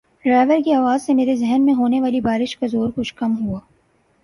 driver کی آواز سے میرے ذہن میں ہونے والی بار ش کا زور کچھ کم ہوا